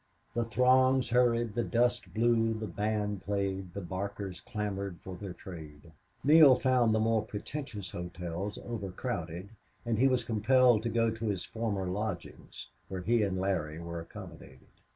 The throngs hurried, the dust blew, the band played, the barkers clamored for their trade. Neale found the more pretentious hotels overcrowded, and he was compelled to go to his former lodgings, where he and Larry were accommodated.